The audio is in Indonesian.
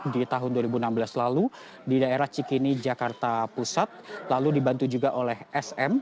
di tahun dua ribu enam belas lalu di daerah cikini jakarta pusat lalu dibantu juga oleh sm